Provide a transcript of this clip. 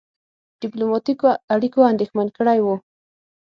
ډيپلوماټیکو اړیکو اندېښمن کړی وو.